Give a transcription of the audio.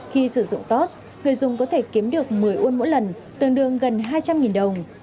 khi sử dụng tost người dùng có thể kiếm được một mươi ul mỗi lần tương đương gần hai trăm linh đồng